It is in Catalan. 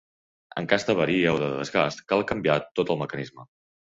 En cas d'avaria o de desgast cal canviar tot el mecanisme.